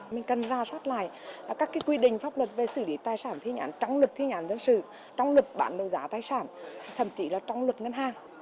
mình cần ra soát lại các quy định pháp luật về xử lý tài sản thi hành án trong luật thi hành án dân sự trong luật bản đồ giá tài sản thậm chí là trong luật ngân hàng